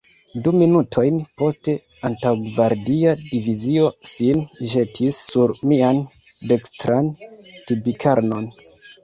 Du minutojn poste, antaŭgvardia divizio sin ĵetis sur mian dekstran tibikarnon.